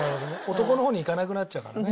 男の方にいかなくなっちゃうからね。